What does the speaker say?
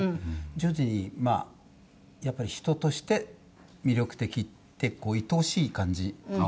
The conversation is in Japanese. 徐々に、やっぱり人として魅力的っていとおしい感じになってきた。